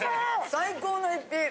最高の一品。